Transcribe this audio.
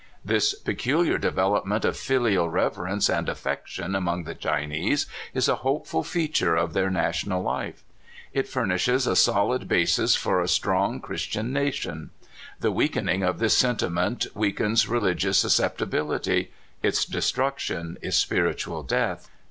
This peculiar development of filial reverence and aifection among the Chinese is a hopeful feat ure of their national life. It furnishes a solid basis for a strong Christian nation. . The weaken ing of this sentiment weakens religious suscepti bility; its destruction is spiritual death.